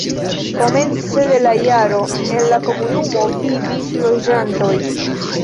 Komence de la jaro en la komunumo vivis loĝantoj.